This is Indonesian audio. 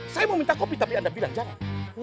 saya mau minta kopi tapi anda bilang jangan